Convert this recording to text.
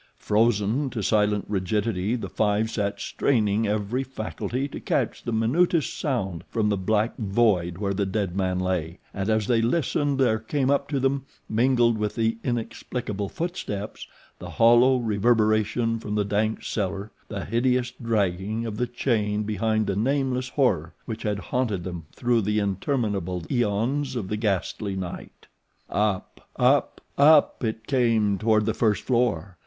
Frozen to silent rigidity, the five sat straining every faculty to catch the minutest sound from the black void where the dead man lay, and as they listened there came up to them, mingled with the inexplicable footsteps, the hollow reverberation from the dank cellar the hideous dragging of the chain behind the nameless horror which had haunted them through the interminable eons of the ghastly night. Up, up, up it came toward the first floor.